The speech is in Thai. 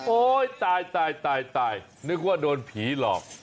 โอ้ยตายนึกว่าโดนพีชหรอก